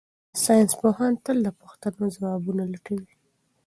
ساینس پوهان تل د پوښتنو ځوابونه لټوي.